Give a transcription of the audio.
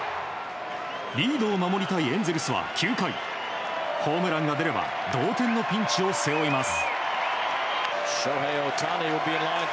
リードを守りたいエンゼルスは９回ホームランが出れば同点のピンチを背負います。